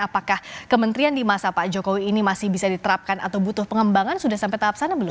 apakah kementerian di masa pak jokowi ini masih bisa diterapkan atau butuh pengembangan sudah sampai tahap sana belum